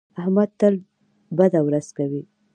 احمد تل بده ورځ کوي.